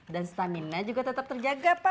dan stamina juga tetap terjaga pak